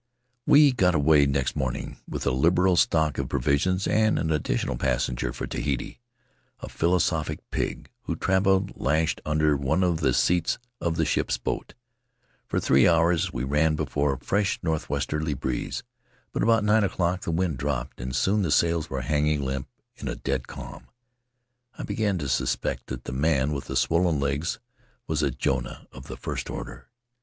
"We got away next morning, with a liberal stock of provisions and an additional passenger for Tahiti — a philosophic pig, who traveled lashed under one of the seats of the ship's boat. For three hours we ran before a fresh northwesterly breeze, but about nine o'clock the wind dropped and soon the sails were hanging limp in a dead calm. I began to suspect that the man with the swollen legs was a Jonah of the first order.